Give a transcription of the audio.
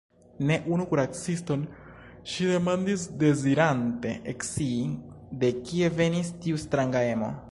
Ne unu kuraciston ŝi demandis dezirante ekscii, de kie venis tiu stranga emo.